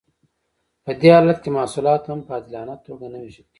په دې حالت کې محصولات هم په عادلانه توګه نه ویشل کیږي.